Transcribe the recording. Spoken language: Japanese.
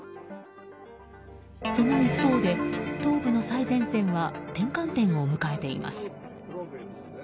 その一方で、東部の最前線は転換点を迎えています。